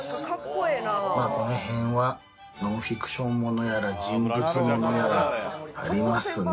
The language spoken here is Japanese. まあこの辺はノンフィクションものやら人物ものやらありますね